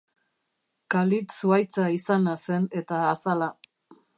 Khalid zuhaitza izana zen, eta azala.